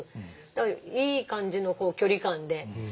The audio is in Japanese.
だからいい感じの距離感で。